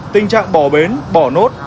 tình trạng bỏ bến bỏ nốt